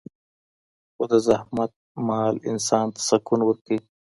خو د زحمت مال انسان ته سکون ورکوي.